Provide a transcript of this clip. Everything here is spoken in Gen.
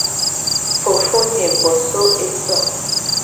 Fofonye gbo so eso.